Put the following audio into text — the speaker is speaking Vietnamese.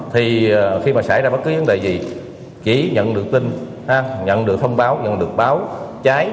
thì khi mà xảy ra bất cứ vấn đề gì chỉ nhận được tin nhận được thông báo nhận được báo cháy